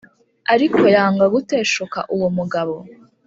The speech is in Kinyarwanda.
Ariko yanga guteshuka uwo mugabo.